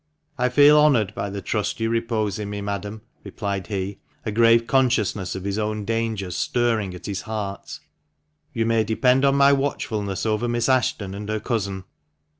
" I feel honoured by the trust you repose in me, madam," replied he, a grave consciousne5S of his own danger stirring at THE MANCHESTEP MAN. 335 his heart ;" you may depend on my watchfulness over Miss Ashton and her cousin."